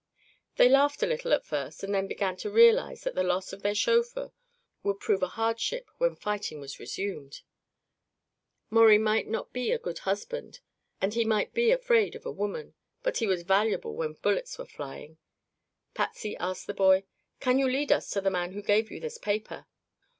They laughed a little at first and then began to realize that the loss of their chauffeur would prove a hardship when fighting was resumed. Maurie might not be a good husband, and he might be afraid of a woman, but was valuable when bullets were flying. Patsy asked the boy: "Can you lead us to the man who gave you this paper?"